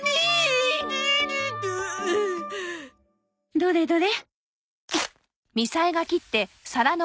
どれどれ。